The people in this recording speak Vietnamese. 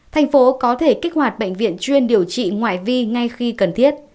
thành phố có thể kích hoạt bệnh viện chuyên điều trị ngoại vi ngay khi cần thiết